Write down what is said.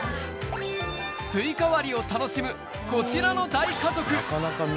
スイカ割りを楽しむ、こちらの大家族。